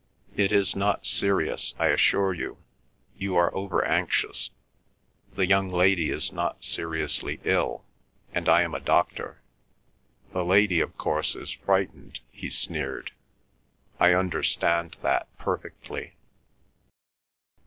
"It is not serious, I assure you. You are overanxious. The young lady is not seriously ill, and I am a doctor. The lady of course is frightened," he sneered. "I understand that perfectly."